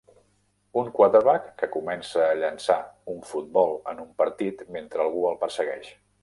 Un quarterback que comença a llançar un futbol en un partit mentre algú el persegueix.